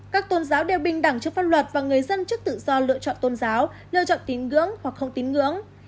các tôn giáo đều bình đẳng trước pháp luật và người dân trước tự do lựa chọn tôn giáo lựa chọn tín ngưỡng hoặc không tín ngưỡng